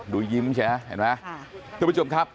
ดูยิ้มใช่ไหมทุกผู้ชมครับ